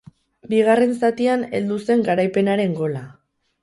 Bigarren zatian heldu zen garaipenaren gola.